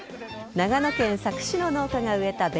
長野県佐久市の農家が植田紅